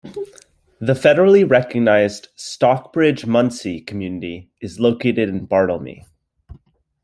The federally recognized Stockbridge-Munsee Community is located in Bartelme.